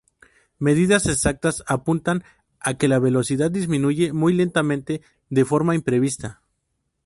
Medidas exactas apuntan a que la velocidad disminuye muy lentamente de forma imprevista.